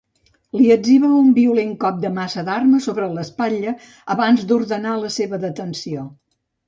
Li etziba un violent cop de massa d'armes sobre l'espatlla abans d'ordenar la seva detenció.